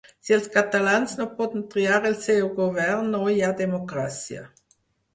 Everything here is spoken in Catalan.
Si els catalans no poden triar el seu govern no hi ha democràcia.